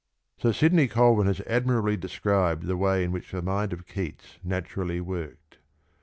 Sir Sidney Colvin has admirably described the w^ay in which the mind of Keats naturally worked.